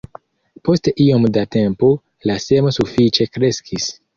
Post iom da tempo, la semo sufiĉe kreskis.